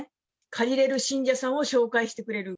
借りれる信者さんを紹介してくれる。